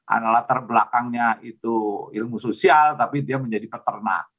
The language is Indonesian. adalah latar belakangnya itu ilmu sosial tapi dia menjadi peternak